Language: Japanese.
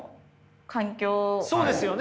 そうですよね！